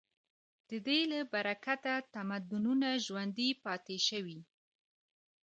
د دې له برکته تمدنونه ژوندي پاتې شوي.